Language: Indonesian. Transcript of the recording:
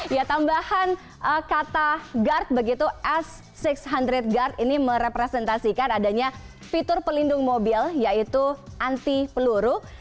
ya tambahan kata guard begitu s enam ratus guard ini merepresentasikan adanya fitur pelindung mobil yaitu anti peluru